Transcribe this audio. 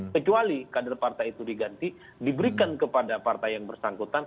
kecuali kader partai itu diganti diberikan kepada partai yang bersangkutan